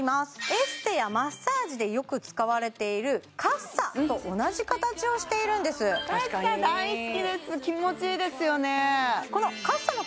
エステやマッサージでよく使われているカッサと同じ形をしているんですカッサ大好きです気持ちいいですよね